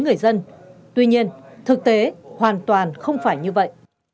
người dân tuy nhiên thực tế hoàn toàn không phải như vậy